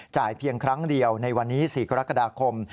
เพียงครั้งเดียวในวันนี้๔กรกฎาคม